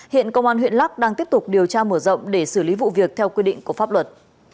hiện công an huyện lắc đang tiếp tục điều tra mở rộng để xử lý vụ việc theo quy định của pháp luật